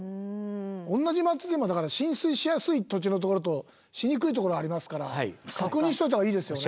同じ町でもだから浸水しやすい土地のところとしにくいところありますから確認しといたほうがいいですよね。